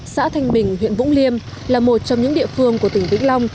xã thanh bình huyện vũng liêm là một trong những địa phương của tỉnh vĩnh long